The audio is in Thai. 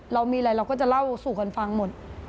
เรามีอะไรเราก็จะเล่าสู่กันฟังหมด